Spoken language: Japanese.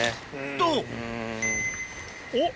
と！おっ？